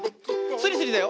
スリスリだよ。